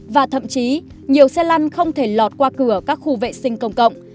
và thậm chí nhiều xe lăn không thể lọt qua cửa các khu vệ sinh công cộng